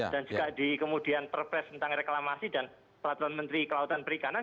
dan juga di kemudian perpres tentang reklamasi dan peraturan menteri kelautan perikanan